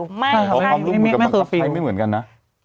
ความร่วมมือกับประกาศไม่เหมือนกันนะ